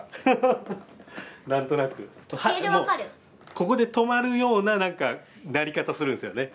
ここで止まるような何か鳴り方するんですよね